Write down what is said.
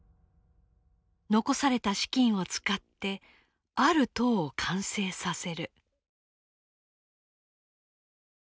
残された資金を使ってある塔を完成させる。